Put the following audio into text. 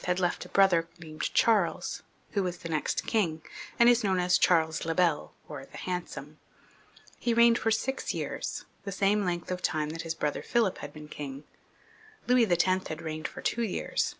had left a brother named Charles, who was the n6xt king, and is known as Charles le Bel, or the Hand some. He reigned for six years, the same time as his brother Philip. Louis X. had reigned for two years.